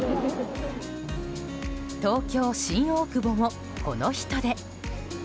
東京・新大久保も、この人出。